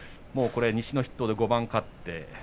西の筆頭で５番勝っています。